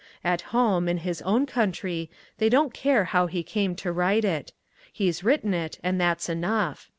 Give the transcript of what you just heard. At home, in his own country, they don't care how he came to write it. He's written it and that's enough.